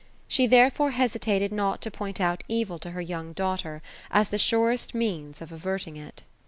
She therefore hesitated not to point out evil to her young daughter, as the surest means of averting it.